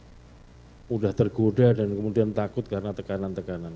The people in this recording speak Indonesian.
sudah tergoda dan kemudian takut karena tekanan tekanan